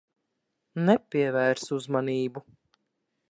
Nepievērs uzmanību.